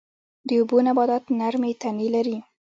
د اوبو نباتات نرمې تنې لري